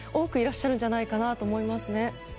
本当に多くいらっしゃるんじゃないかなと思います。